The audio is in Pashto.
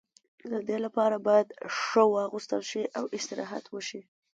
د دې لپاره باید ښه واغوستل شي او استراحت وشي.